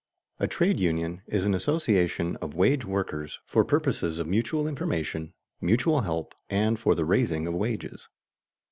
_A trade union is an association of wage workers for purposes of mutual information, mutual help, and for the raising of wages.